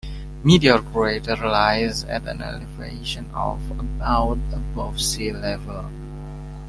Meteor Crater lies at an elevation of about above sea level.